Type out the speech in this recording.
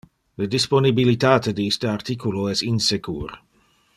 Le disponibilitate de iste articulo es insecur.